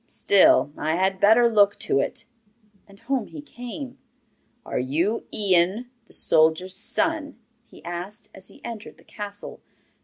Still, I had better look to it.' And home he came. 'Are you Ian, the soldier's son?' he asked, as he entered the castle.